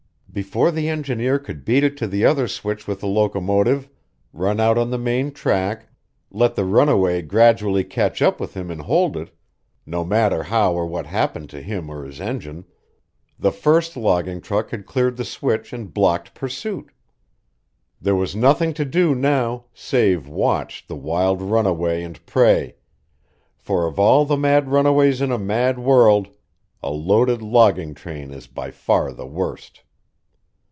Before the engineer could beat it to the other switch with the locomotive, run out on the main track, let the runaway gradually catch up with him and hold it no matter how or what happened to him or his engine the first logging truck had cleared the switch and blocked pursuit. There was nothing to do now save watch the wild runaway and pray, for of all the mad runaways in a mad world, a loaded logging train is by far the worst.